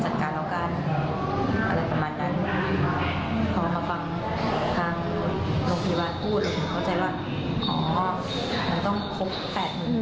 พอมาฟังทางโรงพยาบาลพูดเขาใจว่าอ๋อมันต้องครบแปดหนึ่ง